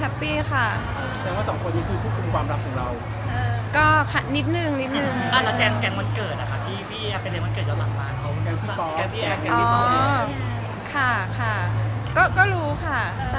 แซวเยอะกว่าเดิมกับค่ะ